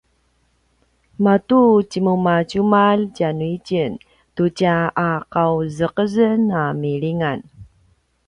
matu tjemumatjumalj tjanuitjen tu tja aqauzeqezen a milingan